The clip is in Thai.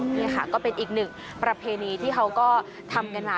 นี่ค่ะก็เป็นอีกหนึ่งประเพณีที่เขาก็ทำกันมา